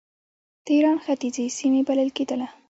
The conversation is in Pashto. د ایران ختیځې سیمې بلل کېدله.